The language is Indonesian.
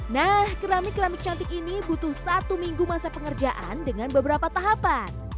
nah keramik keramik cantik ini butuh satu minggu masa pengerjaan dengan beberapa tahapan